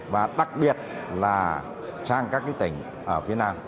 và đặc biệt là sang các tỉnh ở phía nam